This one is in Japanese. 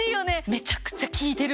めちゃくちゃ効いてる